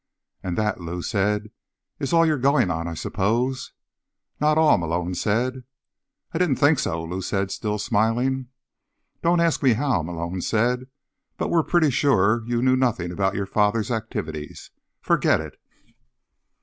"And that," Lou said, "is all you're going on, I suppose." "Not all," Malone said. "I didn't think so," Lou said, still smiling. "Don't ask me how," Malone said, "but we're pretty sure you knew nothing about your father's activities. Forget it."